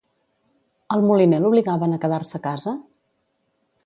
Al moliner l'obligaven a quedar-se a casa?